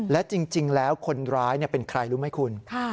และจริงแล้วคนร้ายเป็นใครรู้ไหมคุณ